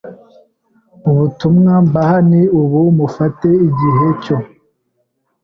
Ubutumwa mbaha ni ubu: mufate igihe cyo